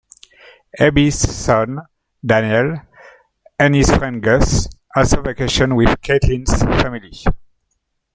Abby's son, Daniel, and his friend, Gus, also vacation with Caitlin's family.